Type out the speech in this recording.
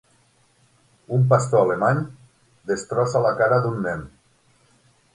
Un pastor alemany destrossa la cara d'un nen.